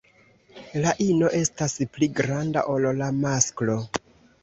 La ino estas pli granda ol la masklo.